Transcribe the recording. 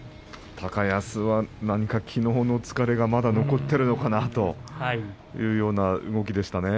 高安はきのうの疲れがまだ残っているのかなとそんな動きでしたね。